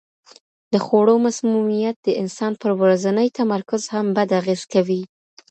د خوړو مسمومیت د انسان پر ورځني تمرکز هم بد اغېز کوي.